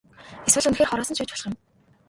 Эсвэл үнэхээр хороосон ч байж болох юм.